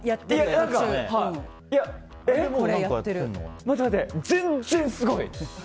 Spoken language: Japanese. いや、待って待って全然すごい！